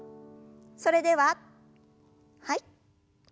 それでははい。